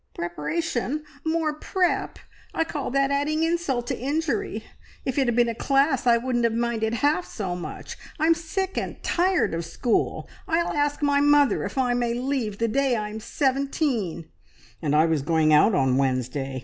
"Preparation! More prep! I call that adding insult to injury. If it had been a class, I wouldn't have minded half so much. I'm sick and tired of school. I'll ask my mother if I may leave the day I am seventeen." "And I was going out on Wednesday!